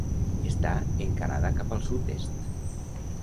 Està encarada cap al sud-est.